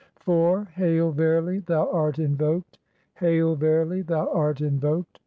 IV. "[Hail, verily thou art invoked ; hail, verily thou art in voked.